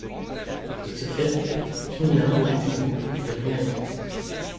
De ce fait, Kimimaro et Jûgo sont devenus amis.